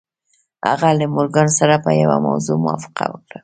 هغه له مورګان سره په یوه موضوع موافقه وکړه